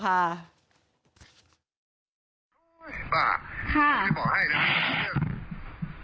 บ้าฮ่าเดี๋ยวบอกให้นะครับ